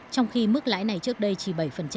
trong khi mức lãi này trước đây chỉ bảy